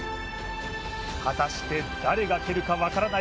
果たして、誰が蹴るか分からない